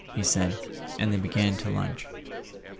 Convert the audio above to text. he said; and they began to lunch.